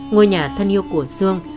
ngôi nhà thân yêu của dương